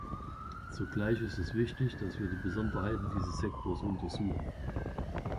Zugleich ist wichtig, dass wir die Besonderheiten dieses Sektors untersuchen.